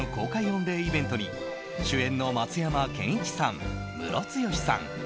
御礼イベントに主演の松山ケンイチさんムロツヨシさん